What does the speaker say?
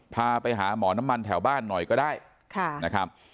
พาไปหาหมอน้ำมันแถวบ้านหน่อยก็ได้นะครับ